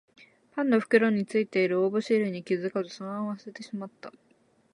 パンの袋についてる応募シールに気づかずそのまま捨ててしまった